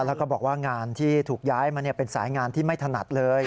แล้วก็บอกว่างานที่ถูกย้ายมาเป็นสายงานที่ไม่ถนัดเลย